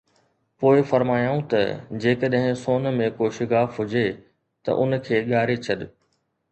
پوءِ فرمايائون ته: جيڪڏهن سون ۾ ڪو شگاف هجي ته ان کي ڳاري ڇڏ